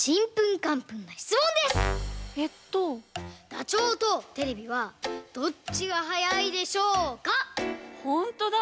ダチョウとテレビはどっちがはやいでしょうか⁉ほんとだ！